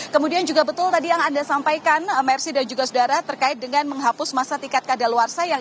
kemudian juga betul tadi yang anda sampaikan mercy dan juga saudara terkait dengan menghapus masa tiket kadaluarsa